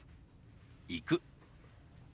「行く」。